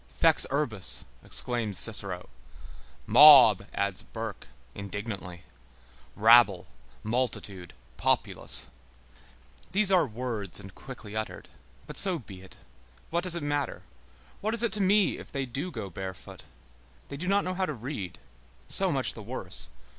Fex urbis, exclaims Cicero; mob, adds Burke, indignantly; rabble, multitude, populace. These are words and quickly uttered. But so be it. What does it matter? What is it to me if they do go barefoot! They do not know how to read; so much the worse.